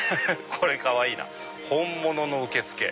これかわいいな「ほんものの受付」。